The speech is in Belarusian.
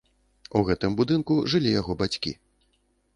У гэтым будынку жылі яго бацькі.